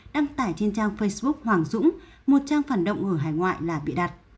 đăng tải trên trang facebook hoàng dũng một trang phản động ở hải ngoại là bịa đặt